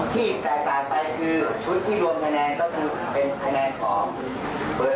ที่แตกต่างไปคือชุดที่รวมคะแนนก็คือเป็นคะแนนของเบอร์